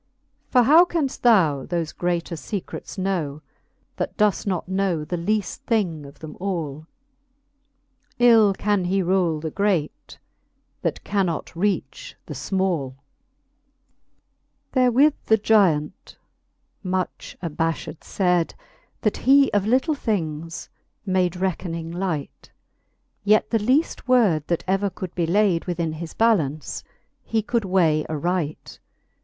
For how canft thou thofe greater fecrets know. That doeft not know the leaft thing of them all ? Ill can he rule the great, that cannot reach the finall. XLIV. Therewith the Gyant much abafhed fayd ; That he of little things made reckoning light, Yet the leaft word, that ever could be layd Within his ballaunce, he could way aright.